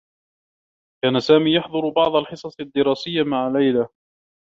كان سامي يحضر بعض الحصص الدّراسيّة مع ليلى.